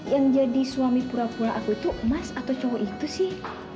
yang jadi suami pula pula aku itu mas atau cowok itu sih